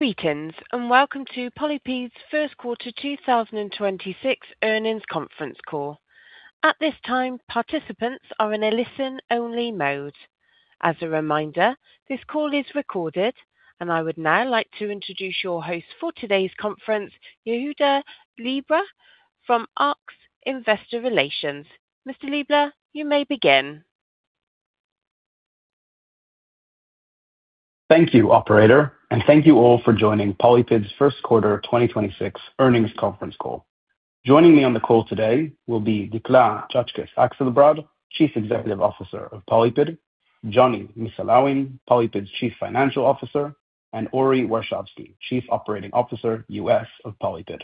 Greetings, welcome to PolyPid's first quarter 2026 earnings conference call. At this time, participants are in a listen-only mode. As a reminder, this call is recorded, and I would now like to introduce your host for today's conference, Yehuda Leibler from Arx Investor Relations. Mr. Leibler, you may begin. Thank you, operator, and thank you all for joining PolyPid's first quarter 2026 earnings conference call. Joining me on the call today will be Dikla Czaczkes Akselbrad, Chief Executive Officer of PolyPid, Jonny Missulawin, PolyPid's Chief Financial Officer, and Ori Warshavsky, Chief Operating Officer, U.S. of PolyPid.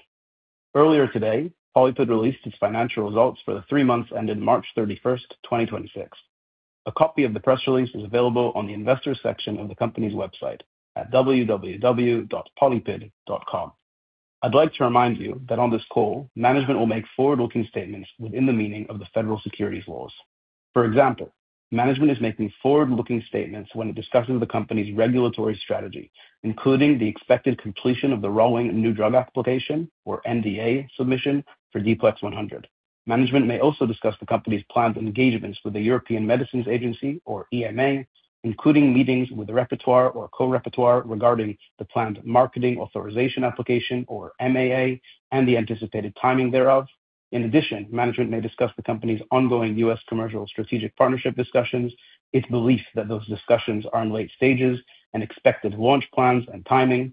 Earlier today, PolyPid released its financial results for the three months ended March 31st, 2026. A copy of the press release is available on the Investor section of the company's website at www.polypid.com. I'd like to remind you that on this call, management will make forward-looking statements within the meaning of the Federal Securities laws. For example, management is making forward-looking statements when discussing the company's regulatory strategy, including the expected completion of the rolling new drug application or NDA submission for D-PLEX100. Management may also discuss the company's planned engagements with the European Medicines Agency, or EMA, including meetings with the rapporteur or co-rapporteur regarding the planned Marketing Authorisation Application, or MAA, and the anticipated timing thereof. In addition, management may discuss the company's ongoing U.S. commercial strategic partnership discussions, its belief that those discussions are in late stages, and expected launch plans and timing.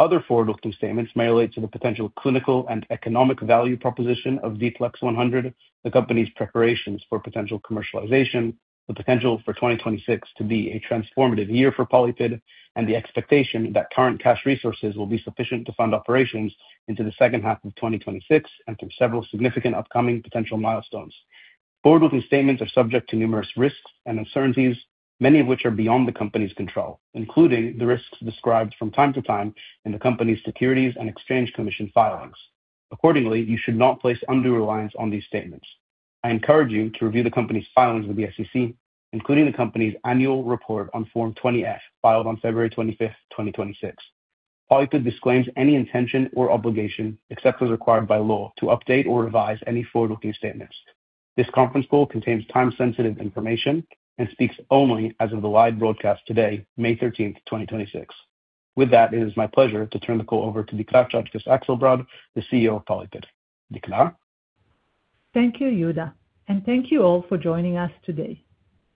Other forward-looking statements may relate to the potential clinical and economic value proposition of D-PLEX100, the company's preparations for potential commercialization, the potential for 2026 to be a transformative year for PolyPid, and the expectation that current cash resources will be sufficient to fund operations into the second half of 2026 and through several significant upcoming potential milestones. Forward-looking statements are subject to numerous risks and uncertainties, many of which are beyond the company's control, including the risks described from time to time in the company's Securities and Exchange Commission filings. Accordingly, you should not place undue reliance on these statements. I encourage you to review the company's filings with the SEC, including the company's annual report on Form 20-F, filed on February 25th, 2026. PolyPid disclaims any intention or obligation, except as required by law, to update or revise any forward-looking statements. This conference call contains time-sensitive information and speaks only as of the live broadcast today, May 13th, 2026. With that, it is my pleasure to turn the call over to Dikla Czaczkes Akselbrad, the CEO of PolyPid. Dikla. Thank you, Yehuda. Thank you all for joining us today.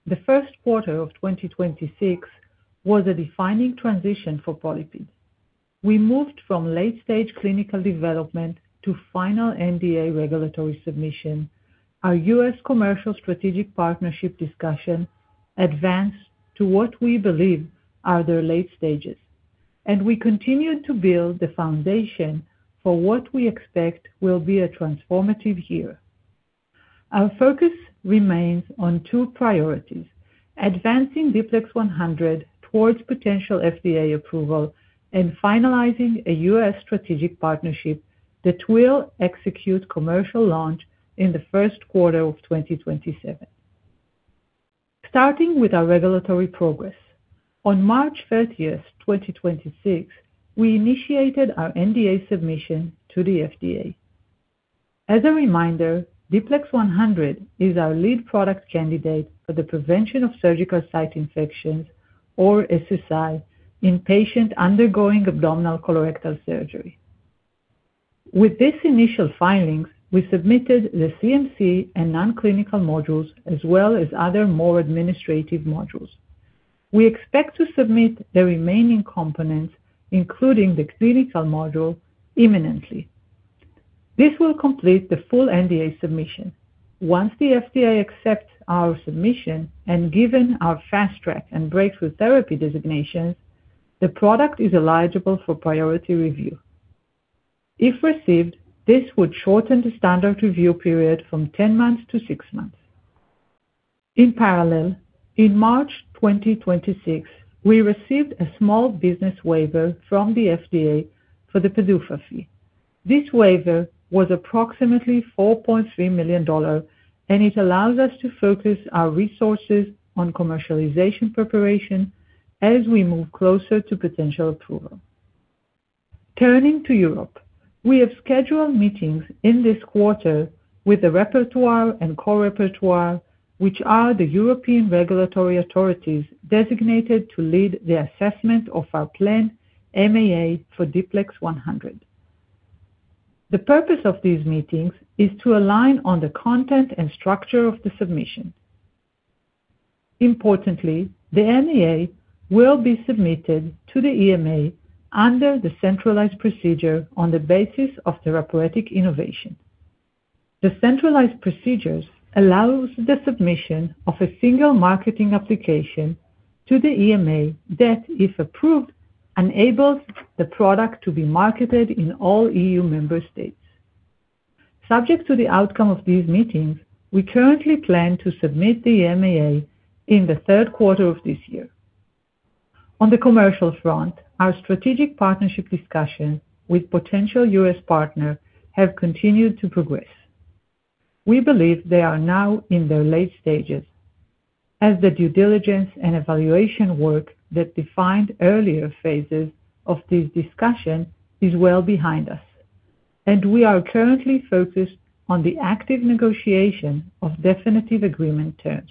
The first quarter of 2026 was a defining transition for PolyPid. We moved from late-stage clinical development to final NDA regulatory submission. Our U.S. commercial strategic partnership discussion advanced to what we believe are their late stages, and we continued to build the foundation for what we expect will be a transformative year. Our focus remains on two priorities: advancing D-PLEX100 towards potential FDA approval and finalizing a U.S. strategic partnership that will execute commercial launch in the first quarter of 2027. Starting with our regulatory progress, on March 30, 2026, we initiated our NDA submission to the FDA. As a reminder, D-PLEX100 is our lead product candidate for the prevention of surgical site infections, or SSI, in patients undergoing abdominal colorectal surgery. With this initial filings, we submitted the CMC and non-clinical modules as well as other more administrative modules. We expect to submit the remaining components, including the clinical module, imminently. This will complete the full NDA submission. Once the FDA accepts our submission and given our Fast Track and Breakthrough Therapy designations, the product is eligible for priority review. If received, this would shorten the standard review period from 10 months to six months. In parallel, in March 2026, we received a small business waiver from the FDA for the PDUFA fee. This waiver was approximately $4.3 million, and it allows us to focus our resources on commercialization preparation as we move closer to potential approval. Turning to Europe. We have scheduled meetings in this quarter with the rapporteur and co-rapporteur, which are the European regulatory authorities designated to lead the assessment of our plan MAA for D-PLEX100. The purpose of these meetings is to align on the content and structure of the submission. Importantly, the MAA will be submitted to the EMA under the centralized procedure on the basis of therapeutic innovation. The centralized procedure allows the submission of a single marketing application to the EMA that, if approved, enables the product to be marketed in all EU member states. Subject to the outcome of these meetings, we currently plan to submit the MAA in the third quarter of this year. On the commercial front, our strategic partnership discussion with potential U.S. partner have continued to progress. We believe they are now in their late stages as the due diligence and evaluation work that defined earlier phases of this discussion is well behind us, and we are currently focused on the active negotiation of definitive agreement terms.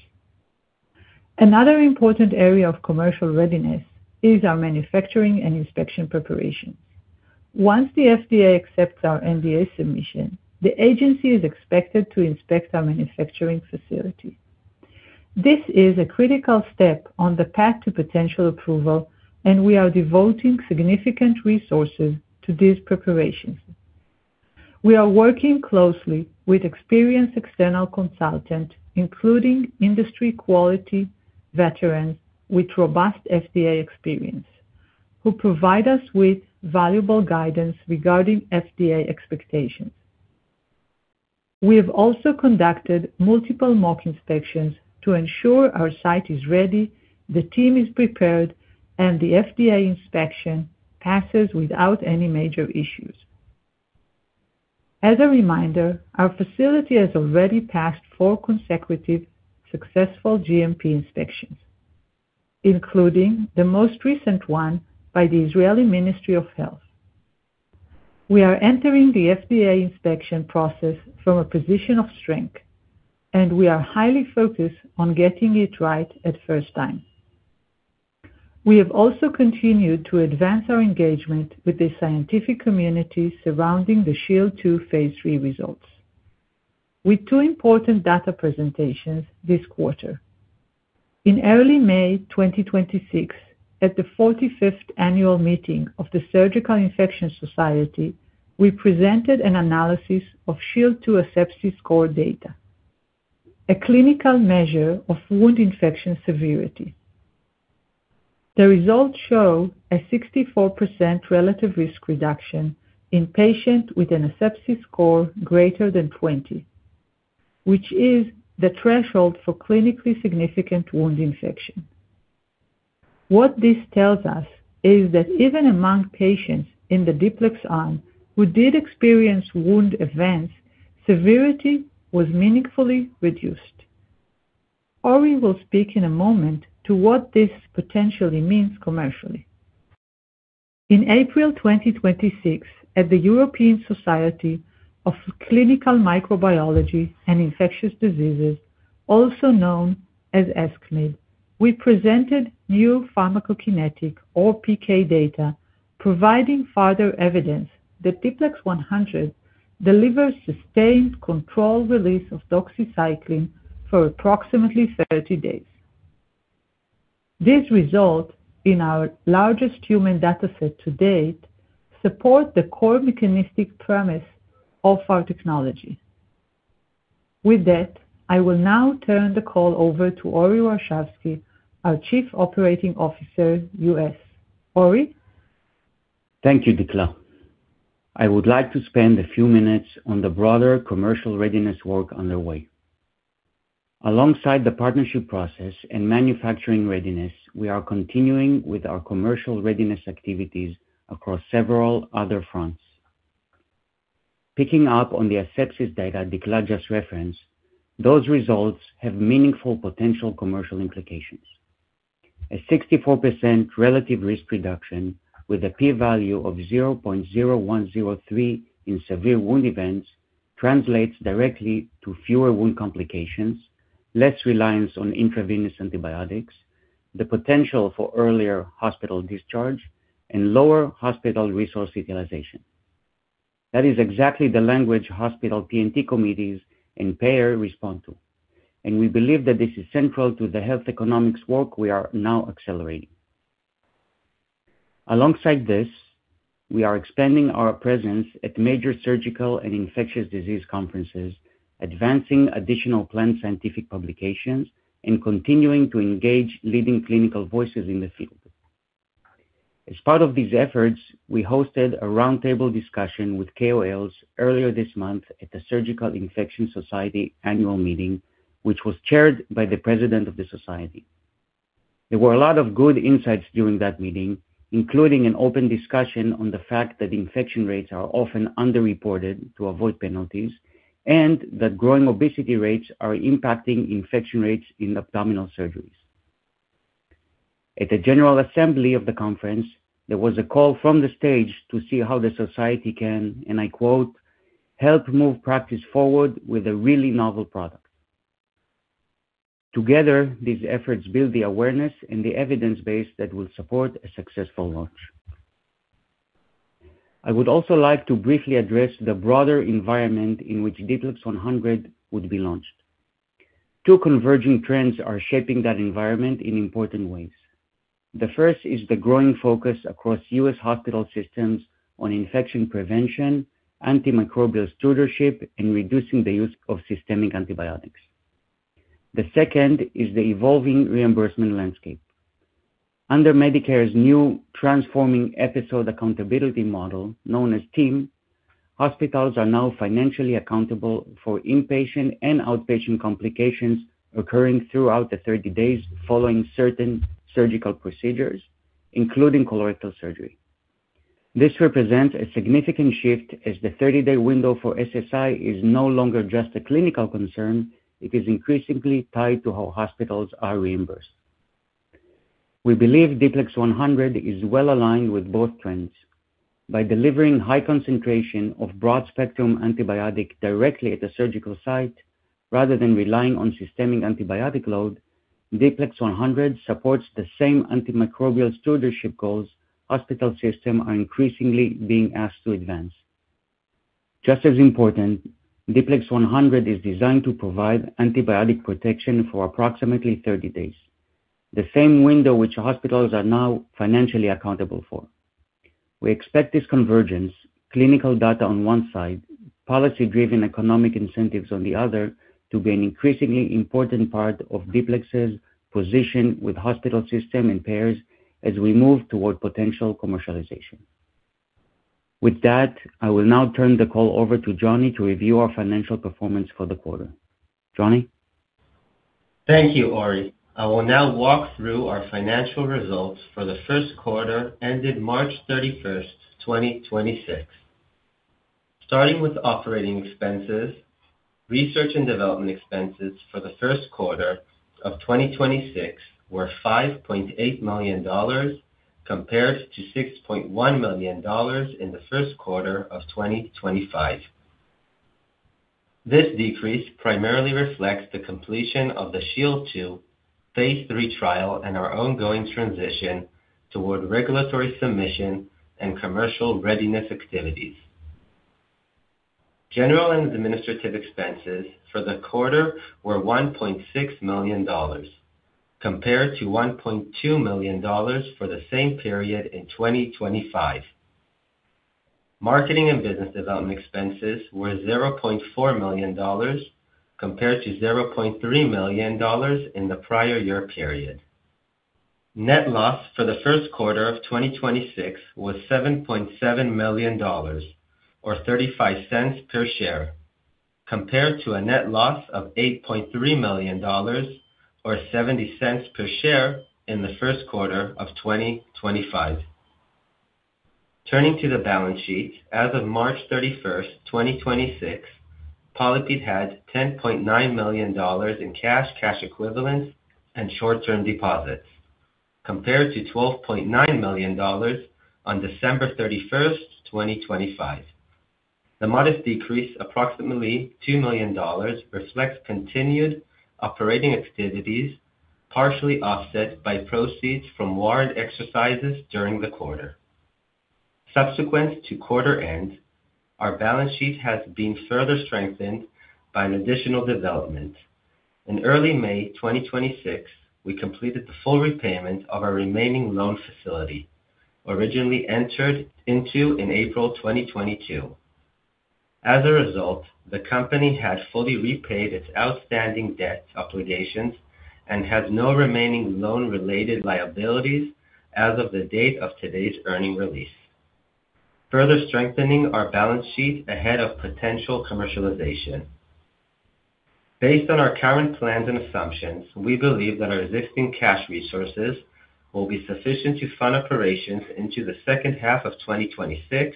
Another important area of commercial readiness is our manufacturing and inspection preparation. Once the FDA accepts our NDA submission, the agency is expected to inspect our manufacturing facility. This is a critical step on the path to potential approval, and we are devoting significant resources to these preparations. We are working closely with experienced external consultants, including industry quality veterans with robust FDA experience, who provide us with valuable guidance regarding FDA expectations. We have also conducted multiple mock inspections to ensure our site is ready, the team is prepared, and the FDA inspection passes without any major issues. As a reminder, our facility has already passed four consecutive successful GMP inspections, including the most recent one by the Israeli Ministry of Health. We are entering the FDA inspection process from a position of strength, and we are highly focused on getting it right at first time. We have also continued to advance our engagement with the scientific community surrounding the SHIELD II phase III results with two important data presentations this quarter. In early May 2026, at the 45th annual meeting of the Surgical Infection Society, we presented an analysis of SHIELD II ASEPSIS score data, a clinical measure of wound infection severity. The results show a 64% relative risk reduction in patients with an ASEPSIS score greater than 20, which is the threshold for clinically significant wound infection. What this tells us is that even among patients in the D-PLEX arm who did experience wound events, severity was meaningfully reduced. Ori will speak in a moment to what this potentially means commercially. In April 2026, at the European Society of Clinical Microbiology and Infectious Diseases, also known as ESCMID, we presented new pharmacokinetic or PK data providing further evidence that D-PLEX100 delivers sustained control release of doxycycline for approximately 30 days. This result in our largest human data set to date support the core mechanistic premise of our technology. With that, I will now turn the call over to Ori Warshavsky, our Chief Operating Officer, U.S. Ori. Thank you, Dikla. I would like to spend a few minutes on the broader commercial readiness work underway. Alongside the partnership process and manufacturing readiness, we are continuing with our commercial readiness activities across several other fronts. Picking up on the the ASEPSIS data Dikla just referenced data Dikla just referenced, those results have meaningful potential commercial implications. A 64% relative risk reduction with a p‑value of 0.0103 in severe wound events translates directly to fewer wound complications, less reliance on intravenous antibiotics, the potential for earlier hospital discharge, and lower hospital resource utilization. That is exactly the language hospital P&T committees and payer respond to. We believe that this is central to the health economics work we are now accelerating. Alongside this, we are expanding our presence at major surgical and infectious disease conferences, advancing additional planned scientific publications, and continuing to engage leading clinical voices in the field. As part of these efforts, we hosted a roundtable discussion with KOLs earlier this month at the Surgical Infection Society annual meeting, which was chaired by the President of the Society. There were a lot of good insights during that meeting, including an open discussion on the fact that infection rates are often underreported to avoid penalties and that growing obesity rates are impacting infection rates in abdominal surgeries. At the general assembly of the conference, there was a call from the stage to see how the society can, and I quote, "Help move practice forward with a really novel product." Together, these efforts build the awareness and the evidence base that will support a successful launch. I would also like to briefly address the broader environment in which D-PLEX100 would be launched. Two converging trends are shaping that environment in important ways. The first is the growing focus across U.S. hospital systems on infection prevention, antimicrobial stewardship, and reducing the use of systemic antibiotics. The second is the evolving reimbursement landscape. Under Medicare's new Transforming Episode Accountability Model, known as TEAM, hospitals are now financially accountable for inpatient and outpatient complications occurring throughout the 30 days following certain surgical procedures, including colorectal surgery. This represents a significant shift as the 30-day window for SSI is no longer just a clinical concern, it is increasingly tied to how hospitals are reimbursed. We believe D-PLEX100 is well-aligned with both trends. By delivering high concentration of broad spectrum antibiotic directly at the surgical site rather than relying on systemic antibiotic load, D-PLEX100 supports the same antimicrobial stewardship goals hospital system are increasingly being asked to advance. Just as important, D-PLEX100 is designed to provide antibiotic protection for approximately 30 days, the same window which hospitals are now financially accountable for. We expect this convergence, clinical data on one side, policy-driven economic incentives on the other, to be an increasingly important part of D-PLEX's position with hospital system and payers as we move toward potential commercialization. With that, I will now turn the call over to Jonny to review our financial performance for the quarter. Jonny. Thank you, Ori. I will now walk through our financial results for the first quarter ended March 31st, 2026. Starting with operating expenses, research and development expenses for the first quarter of 2026 were $5.8 million compared to $6.1 million in the first quarter of 2025. This decrease primarily reflects the completion of the SHIELD II phase III trial and our ongoing transition toward regulatory submission and commercial readiness activities. General and administrative expenses for the quarter were $1.6 million compared to $1.2 million for the same period in 2025. Marketing and business development expenses were $0.4 million compared to $0.3 million in the prior year period. Net loss for the first quarter of 2026 was $7.7 million or $0.35 per share, compared to a net loss of $8.3 million or $0.70 per share in the first quarter of 2025. Turning to the balance sheet, as of March 31st, 2026, PolyPid had $10.9 million in cash equivalents and short-term deposits, compared to $12.9 million on December 31st, 2025. The modest decrease, approximately $2 million, reflects continued operating activities, partially offset by proceeds from warrant exercises during the quarter. Subsequent to quarter end, our balance sheet has been further strengthened by an additional development. In early May 2026, we completed the full repayment of our remaining loan facility, originally entered into in April 2022. As a result, the company has fully repaid its outstanding debt obligations and has no remaining loan-related liabilities as of the date of today's earning release, further strengthening our balance sheet ahead of potential commercialization. Based on our current plans and assumptions, we believe that our existing cash resources will be sufficient to fund operations into the second half of 2026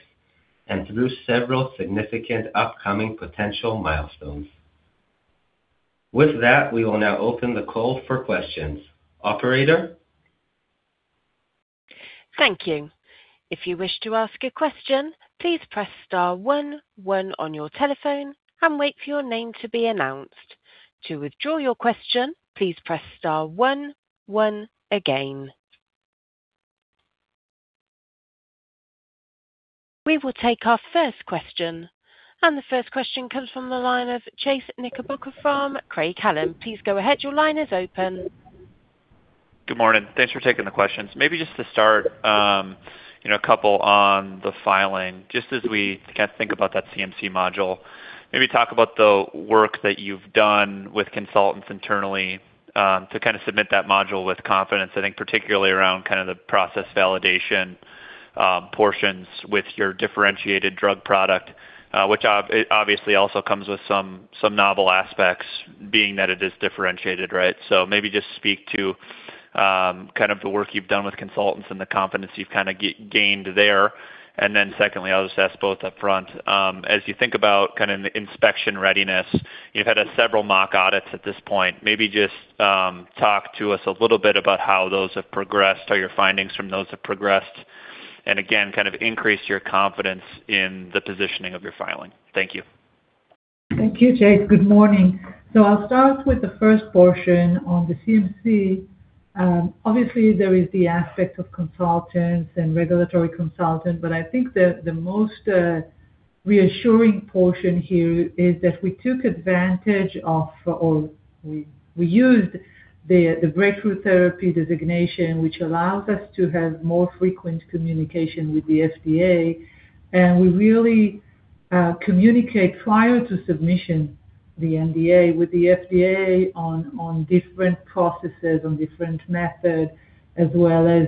and through several significant upcoming potential milestones. With that, we will now open the call for questions. Operator. Thank you. If you wish to ask a question, please press star one one on your telephone and wait for your name to be announced. To withdraw your question, please press star one one again. We will take our first question. The first question comes from the line of Chase Knickerbocker from Craig-Hallum. Please go ahead. Your line is open. Good morning. Thanks for taking the questions. Maybe just to start, you know, a couple on the filing. Just as we kind of think about that CMC module, maybe talk about the work that you've done with consultants internally, to kind of submit that module with confidence. I think particularly around kind of the process validation, portions with your differentiated drug product, which obviously also comes with some novel aspects being that it is differentiated, right? Maybe just speak to, kind of the work you've done with consultants and the confidence you've gained there. Secondly, I'll just ask both up front. As you think about kind of the inspection readiness, you've had several mock audits at this point. Maybe just, talk to us a little bit about how those have progressed or your findings from those have progressed, and again, kind of increase your confidence in the positioning of your filing. Thank you. Thank you, Chase. Good morning. I'll start with the first portion on the CMC. Obviously, there is the aspect of consultants and regulatory consultants, but I think the most reassuring portion here is that we took advantage of or we used the Breakthrough Therapy designation, which allows us to have more frequent communication with the FDA. We really communicate prior to submission, the NDA with the FDA on different processes, on different methods, as well as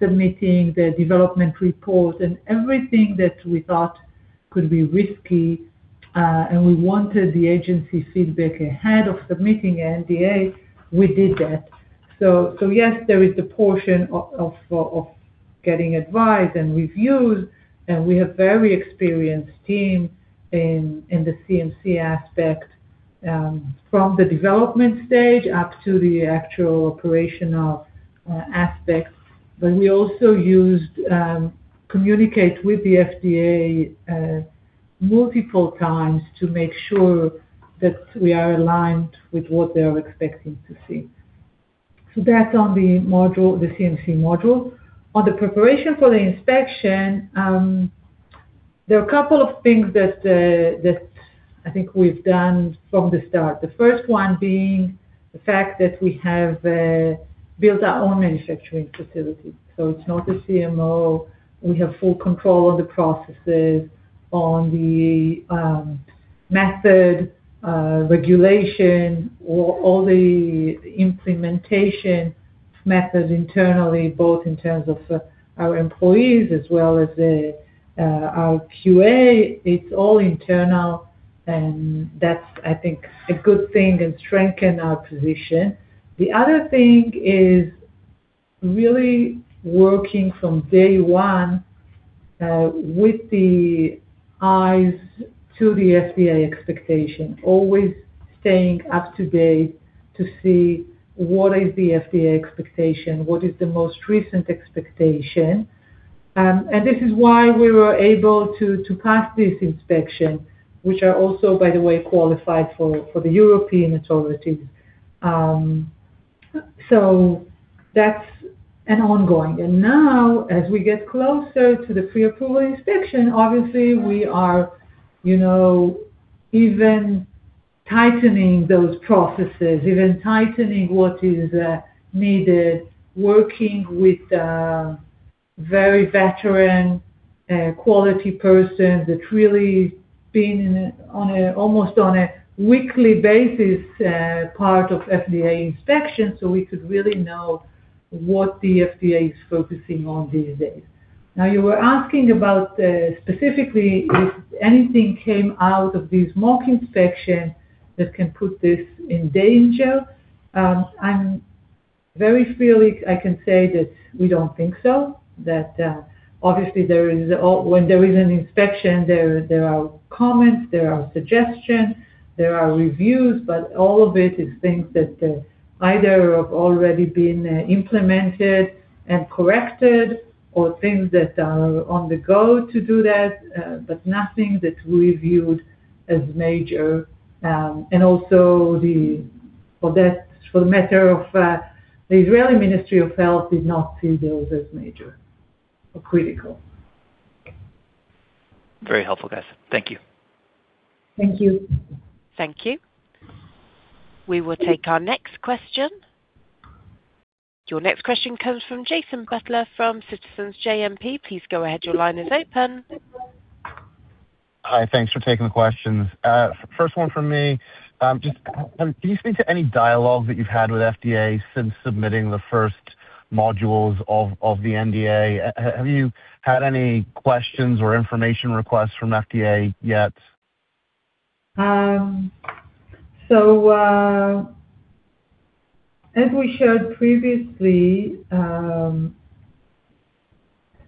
submitting the development report and everything that we thought could be risky, and we wanted the agency feedback ahead of submitting NDA. We did that. Yes, there is the portion of getting advice and reviews, and we have very experienced team in the CMC aspect, from the development stage up to the actual operational aspects. We also used communicate with the FDA multiple times to make sure that we are aligned with what they are expecting to see. That's on the module, the CMC module. On the preparation for the inspection, there are a couple of things that I think we've done from the start. The first one being the fact that we have built our own manufacturing facility. It's not a CMO. We have full control of the processes on the method regulation, or all the implementation methods internally, both in terms of our employees as well as the our QA. It's all internal, and that's, I think, a good thing and strengthen our position. The other thing is really working from day one with the eyes to the FDA expectation, always staying up to date to see what is the FDA expectation, what is the most recent expectation. This is why we were able to pass this inspection, which are also, by the way, qualified for the European authorities. Now, as we get closer to the pre-approval inspection, obviously, we are, you know, even tightening those processes, even tightening what is needed, working with very veteran quality persons that really been almost on a weekly basis part of FDA inspection, so we could really know what the FDA is focusing on these days. Now, you were asking about specifically if anything came out of this mock inspection that can put this in danger. I'm very freely, I can say that we don't think so. That, obviously, when there is an inspection, there are comments, there are suggestions, there are reviews, but all of it is things that either have already been implemented and corrected or things that are on the go to do that, but nothing that we viewed as major. Also for the matter of the Israeli Ministry of Health did not see those as major or critical. Very helpful, guys. Thank you. Thank you. Thank you. We will take our next question. Your next question comes from Jason Butler from Citizens JMP. Please go ahead. Your line is open. Hi. Thanks for taking the questions. First one from me. Can you speak to any dialogue that you've had with FDA since submitting the first modules of the NDA? Have you had any questions or information requests from FDA yet? As we shared previously,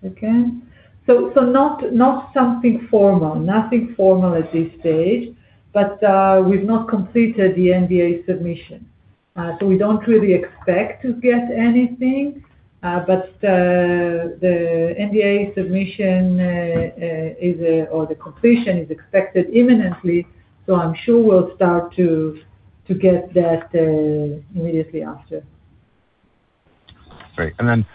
again. Not something formal. Nothing formal at this stage, but we've not completed the NDA submission. We don't really expect to get anything, but the NDA submission is or the completion is expected imminently, so I'm sure we'll start to get that immediately after. Great. Then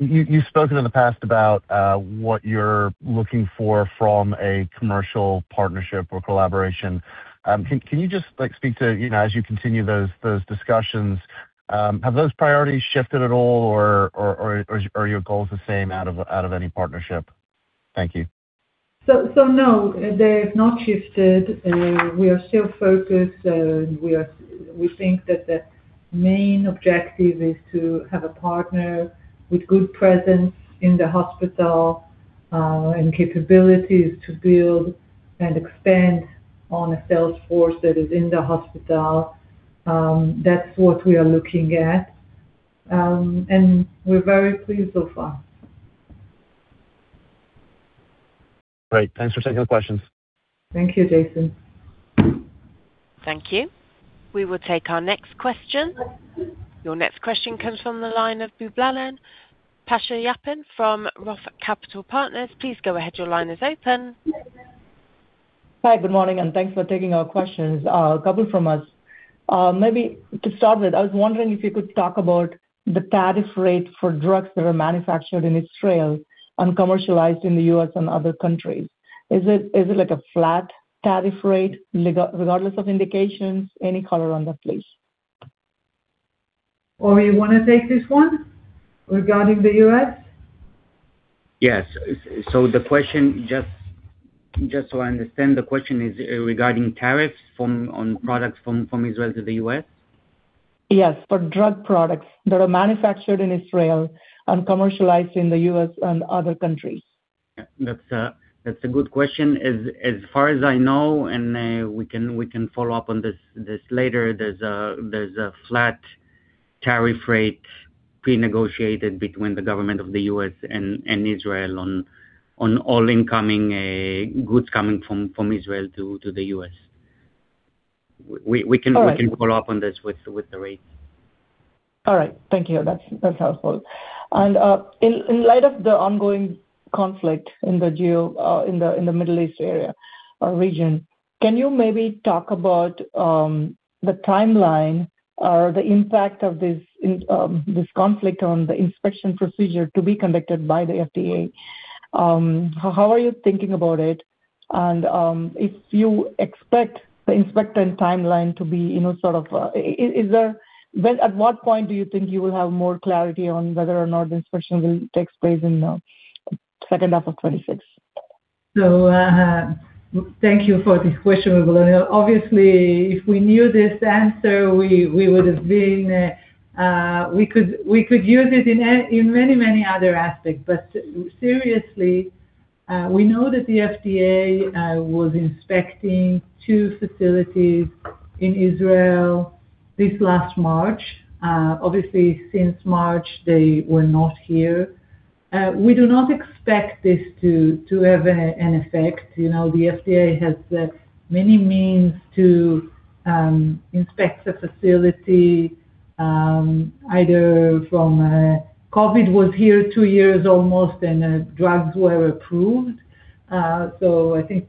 you've spoken in the past about what you're looking for from a commercial partnership or collaboration. Can you just, like, speak to, you know, as you continue those discussions, have those priorities shifted at all or are your goals the same out of any partnership? Thank you. No, they've not shifted. We are still focused. We think that the main objective is to have a partner with good presence in the hospital and capabilities to build and expand on a sales force that is in the hospital. That's what we are looking at. And we're very pleased so far. Great. Thanks for taking the questions. Thank you, Jason. Thank you. We will take our next question. Your next question comes from the line of Boobalan Pachaiyappan from Roth Capital Partners. Please go ahead. Your line is open. Hi. Good morning, and thanks for taking our questions. A couple from us. Maybe to start with, I was wondering if you could talk about the tariff rate for drugs that are manufactured in Israel and commercialized in the U.S. and other countries. Is it like a flat tariff rate regardless of indications? Any color on that, please? Ori, you wanna take this one regarding the U.S.? Yes. The question, just so I understand, the question is, regarding tariffs on products from Israel to the U.S.? Yes, for drug products that are manufactured in Israel and commercialized in the U.S. and other countries. That's a good question. As far as I know, and we can follow up on this later, there's a flat tariff rate pre-negotiated between the government of the U.S. and Israel on all incoming goods coming from Israel to the U.S. We can- All right. We can follow up on this with the rates. All right. Thank you. That's helpful. In light of the ongoing conflict in the Middle East area or region, can you maybe talk about the timeline or the impact of this conflict on the inspection procedure to be conducted by the FDA? How are you thinking about it? If you expect the inspection timeline to be, you know, sort of, at what point do you think you will have more clarity on whether or not the inspection will take place in the second half of 2026? Thank you for this question, Boobalan. Obviously, if we knew this answer, we would have been, we could use it in many, many other aspects. Seriously, we know that the FDA was inspecting two facilities in Israel this last March. Obviously, since March, they were not here. We do not expect this to have an effect. You know, the FDA has many means to inspect the facility, either from, COVID was here two years almost, and drugs were approved. I think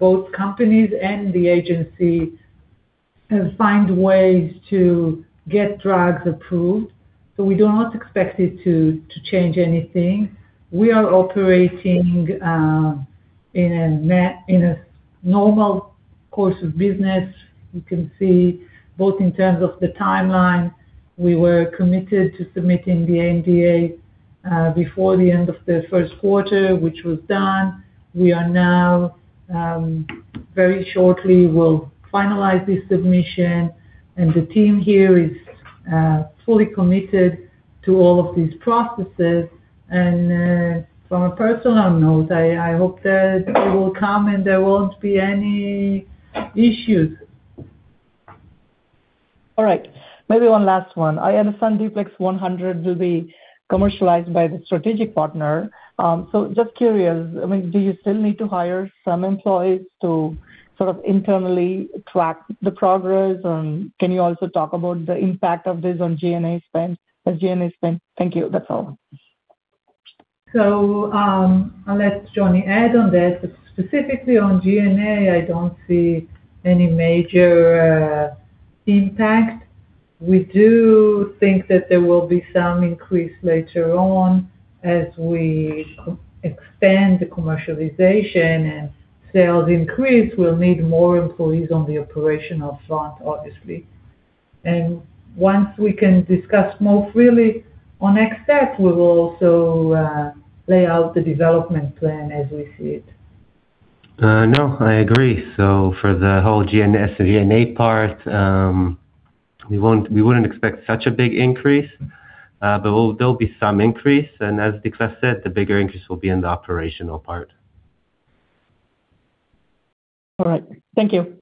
both companies and the agency have found ways to get drugs approved, we do not expect it to change anything. We are operating in a normal course of business. You can see both in terms of the timeline, we were committed to submitting the NDA, before the end of the first quarter, which was done. We are now, very shortly will finalize this submission, and the team here is, fully committed to all of these processes. From a personal note, I hope that they will come and there won't be any issues. All right. Maybe one last one. I understand D-PLEX100 will be commercialized by the strategic partner. Just curious, I mean, do you still need to hire some employees to sort of internally track the progress? Can you also talk about the impact of this on G&A spend? Thank you. That's all. I'll let Jonny add on that. But specifically on G&A, I don't see any major impact. We do think that there will be some increase later on as we expand the commercialization and sales increase. We'll need more employees on the operational front, obviously. Once we can discuss more freely on X-Step, we will also lay out the development plan as we see it. No, I agree. For the whole G&A part, we wouldn't expect such a big increase, but there'll be some increase. As Dikla said, the bigger increase will be in the operational part. All right. Thank you.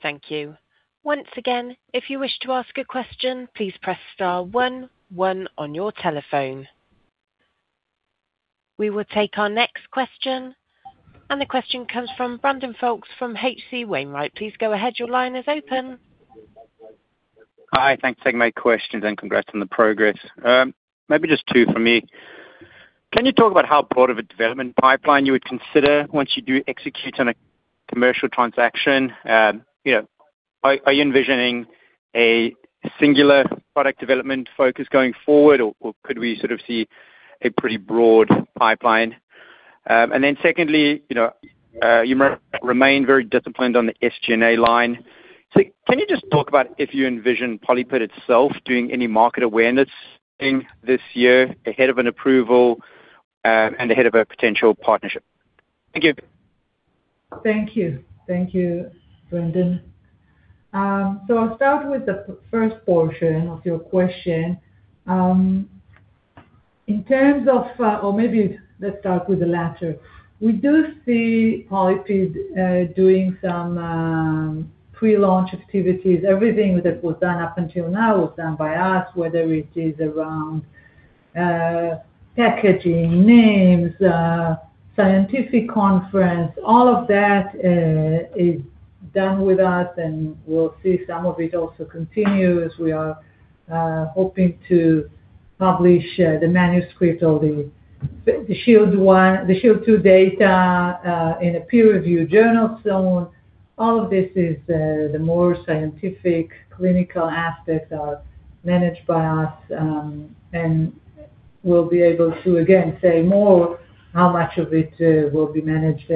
Thank you. Once again, if you wish to ask a question, please press star one one on your telephone. We will take our next question. The question comes from Brandon Folkes from H.C. Wainwright. Please go ahead. Your line is open. Hi. Thanks for taking my questions and congrats on the progress. Maybe just two from me. Can you talk about how broad of a development pipeline you would consider once you do execute on a commercial transaction? You know, are you envisioning a singular product development focus going forward, or could we sort of see a pretty broad pipeline? Secondly, you know, you remain very disciplined on the SG&A line. Can you just talk about if you envision PolyPid itself doing any market awareness thing this year ahead of an approval and ahead of a potential partnership? Thank you. Thank you. Thank you, Brandon. I'll start with the first portion of your question. In terms of, maybe let's start with the latter. We do see PolyPid doing some pre-launch activities. Everything that was done up until now was done by us, whether it is around packaging, names, scientific conference. All of that is done with us, we'll see some of it also continues. We are hoping to publish the manuscript of the SHIELD II data in a peer-review journal soon. All of this is the more scientific clinical aspects are managed by us, we'll be able to again say more how much of it will be managed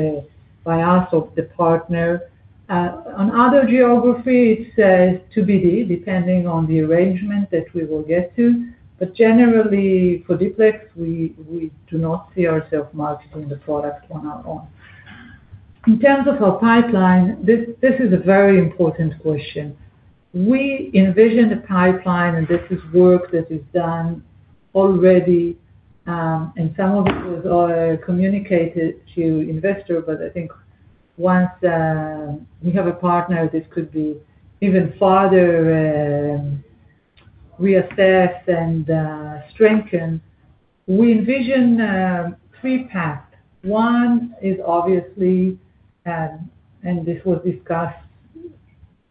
by us or the partner. On other geography, it's to be seen, depending on the arrangement that we will get to. Generally for D-PLEX, we do not see ourself marketing the product on our own. In terms of our pipeline, this is a very important question. We envision the pipeline, and this is work that is done already, and some of it was communicated to investor. I think once we have a partner, this could be even further reassessed and strengthened. We envision three paths. One is obviously, and this was discussed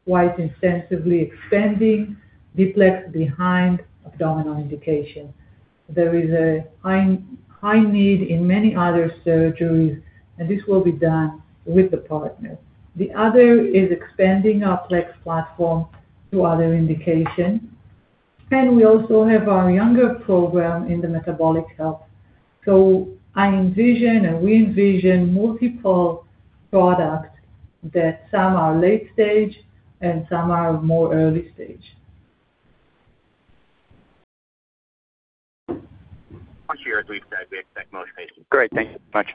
quite extensively, expanding D-PLEX behind abdominal indication. There is a high need in many other surgeries, and this will be done with the partner. The other is expanding our PLEX platform to other indication. We also have our younger program in the metabolic health. I envision, and we envision multiple products that some are late stage and some are more early stage. Once a year, at least, that we expect most patients. Great. Thank you much.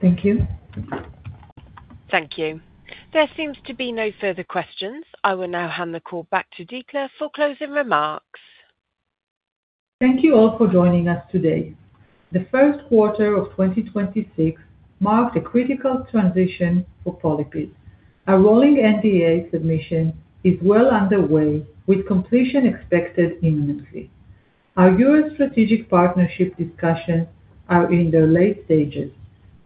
Thank you. Thank you. There seems to be no further questions. I will now hand the call back to Dikla for closing remarks. Thank you all for joining us today. The first quarter of 2026 marked a critical transition for PolyPid. Our rolling NDA submission is well underway, with completion expected imminently. Our U.S. strategic partnership discussions are in their late stages.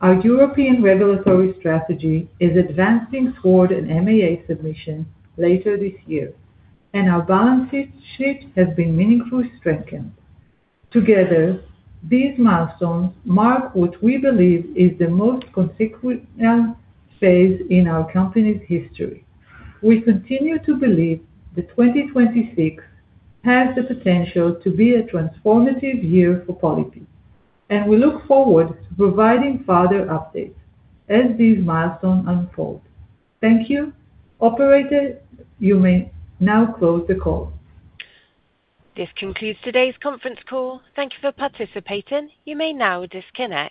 Our European regulatory strategy is advancing toward an MAA submission later this year, and our balance sheet has been meaningfully strengthened. Together, these milestones mark what we believe is the most consequential phase in our company's history. We continue to believe that 2026 has the potential to be a transformative year for PolyPid, and we look forward to providing further updates as these milestones unfold. Thank you. Operator, you may now close the call. This concludes today's conference call. Thank you for participating. You may now disconnect.